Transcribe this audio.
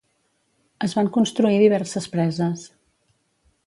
Es van construir diverses preses.